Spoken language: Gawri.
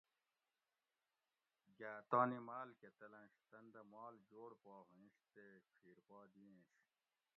گھاۤ تانی مال کہ تلنش تن دہ مال جوڑ پا ہُوئینش تے ڄِھیر پا دِئینش